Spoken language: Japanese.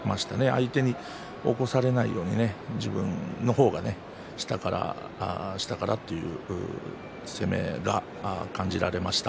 相手に起こされないように自分の方が下から下からという攻めが感じられました。